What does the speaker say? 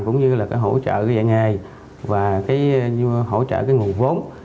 cũng như là hỗ trợ dạng nghề hỗ trợ nguồn vốn